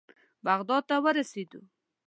بغداد ته ورسېدو.